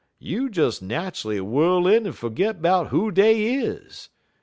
you'd des nat'ally whirl in en fergit 'bout who dey is.